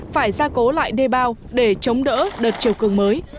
phải ra cố lại đê bao để chống đỡ đợt chiều cường mới